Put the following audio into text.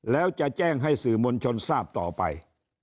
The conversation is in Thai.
แล้วจะแจ้งให้สื่อมวลชนทราบต่อไป